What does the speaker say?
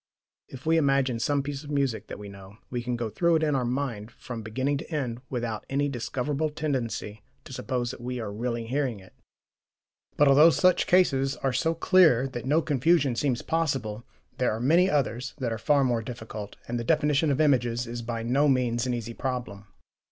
If we imagine some piece of music that we know, we can go through it in our mind from beginning to end without any discoverable tendency to suppose that we are really hearing it. But although such cases are so clear that no confusion seems possible, there are many others that are far more difficult, and the definition of images is by no means an easy problem.